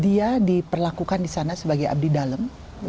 dia diperlakukan disana sebagai abdi dalem